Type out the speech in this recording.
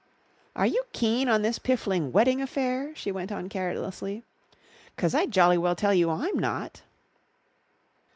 "Are you keen on this piffling wedding affair?" she went on carelessly, "'cause I jolly well tell you I'm not."